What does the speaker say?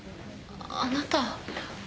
あなた。